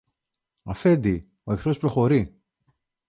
Αφέντη, ο εχθρός προχωρεί!